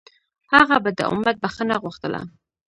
هغه به د امت بښنه غوښتله.